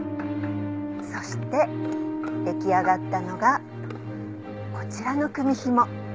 「そして出来上がったのがこちらの組紐」